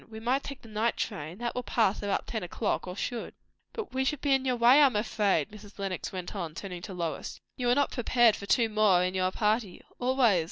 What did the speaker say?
We might take the night train. That will pass about ten o'clock, or should." "But we should be in your way, I am afraid," Mrs. Lenox went on, turning to Lois. "You are not prepared for two more in your party." "Always!"